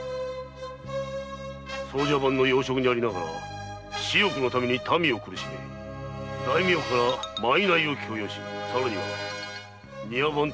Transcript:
奏者番の要職にありながら私欲のために民を苦しめ大名から賂を強要しさらには庭番と六兵衛を殺害。